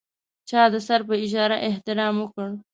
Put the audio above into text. چا د سر په اشاره احترام وکړ.